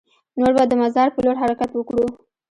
نور به د مزار په لور حرکت وکړو.